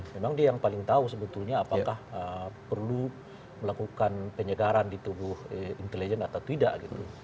memang dia yang paling tahu sebetulnya apakah perlu melakukan penyegaran di tubuh intelijen atau tidak gitu